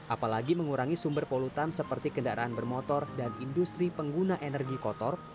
apalagi mengurangi sumber polutan seperti kendaraan bermotor dan industri pengguna energi kotor